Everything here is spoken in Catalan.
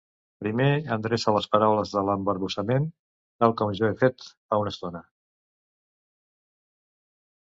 Primer endreça les paraules de l'embarbussament, tal com jo he fet fa una estona.